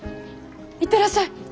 行ってらっしゃい！